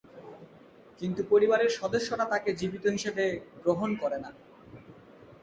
কিন্তু পরিবারের সদস্যরা তাকে জীবিত হিসাবে গ্রহণ করে না।